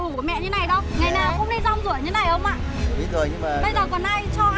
ngày nào không đi rong rủi như thế này không ạ